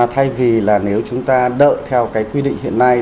thay vì là nếu chúng ta đợi theo cái quy định hiện nay